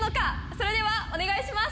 それではお願いします。